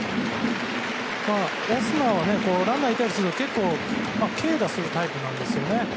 オスナはランナーがいたりすると結構軽打するタイプなんですよね。